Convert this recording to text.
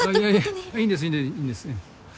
いやいやいいんですいいんです。